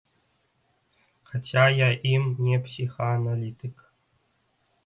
Хаця я ім не псіхааналітык.